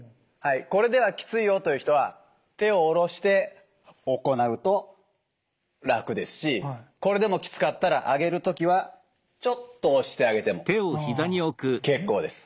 これではきついよという人は手を下ろして行うと楽ですしこれでもきつかったらあげる時はちょっと押してあげても結構です。